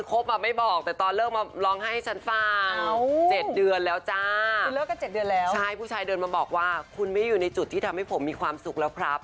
เจ็ดเดือนแล้วจ้าใช่ผู้ชายเดินมาบอกว่าคุณไม่อยู่ในจุดที่ทำให้ผมมีความสุขแล้วครับ